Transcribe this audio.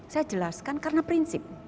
saya jelaskan karena prinsip